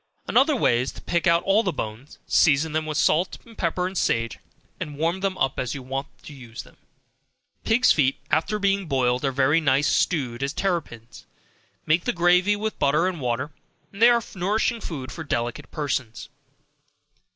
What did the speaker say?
Another way is to pick out all the bones, season them with salt, pepper and sage, and warm them up as you want to use them. Pigs' feet, after being boiled, are very nice stewed as terrapins, make the gravy with butter and water, they are nourishing food for delicate persons.